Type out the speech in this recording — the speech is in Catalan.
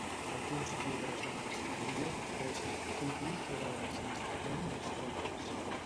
Alguns llibres de manescalia ofereixen capítols sobre l'ensinistrament dels poltres.